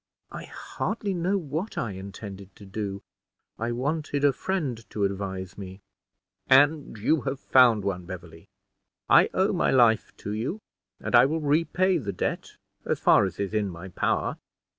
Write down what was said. "I hardly know what I intended to do. I wanted a friend to advise me." "And you have found one, Beverley. I owe my life to you, and I will repay the debt as far as is in my power.